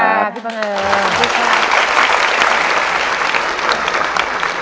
สวัสดีค่ะพี่บังเอิญ